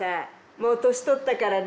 もう年取ったからね。